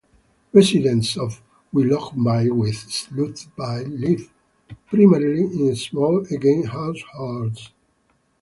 Residents of Willoughby with Sloothby live primarily in small, aging households.